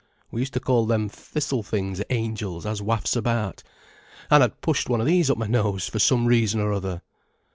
We used to call them thistle things 'angels' as wafts about. An' I'd pushed one o' these up my nose, for some reason or other."